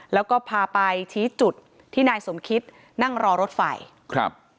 แล้วก็พาไปชี้จุดที่นายสมคิตนั่งรอรถไฟครับ